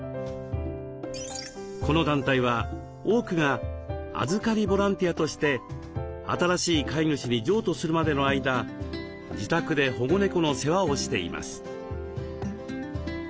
この団体は多くが「預かりボランティア」として新しい飼い主に譲渡するまでの間自宅で保護猫の世話をしています。